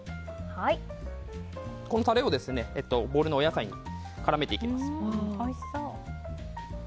このタレをボウルのお野菜に絡めていきます。